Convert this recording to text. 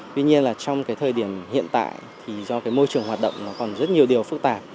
tuy nhiên trong thời điểm hiện tại do môi trường hoạt động còn rất nhiều điều phức tạp